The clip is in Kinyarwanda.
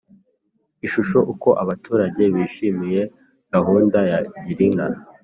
Ishusho Uko abaturage bishimiye gahunda ya Girinka